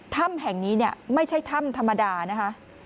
ถ้ำแห่งนี้เนี่ยไม่ใช่ถ้ำธรรมดานะคะ